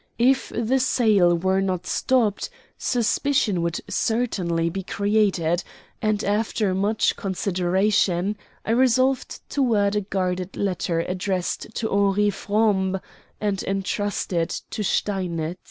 If the sale were not stopped, suspicion would certainly be created; and after much consideration I resolved to word a guarded letter addressed to Henri Frombe, and entrust it to Steinitz.